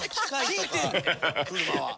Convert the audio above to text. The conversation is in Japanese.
聞いてんねん車は。